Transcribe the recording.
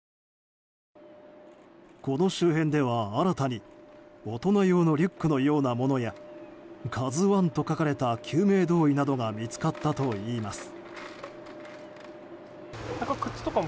この周辺では新たに大人用のリュックのようなものや「ＫＡＺＵ１」と書かれた救命胴衣などが見つかったといいます。